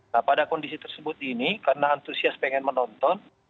nah pada kondisi tersebut ini karena antusias pengen menonton